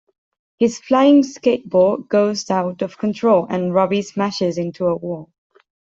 His flying skateboard goes out of control and Robbie smashes into a wall.